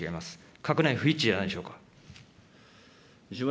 閣内不一致じゃないでしょうか。